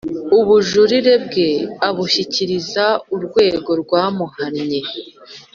ubujurire bwe abushyikiriza urwego rwamuhannye,